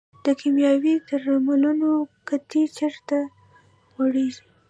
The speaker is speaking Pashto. د کیمیاوي درملو قطۍ چیرته غورځوئ؟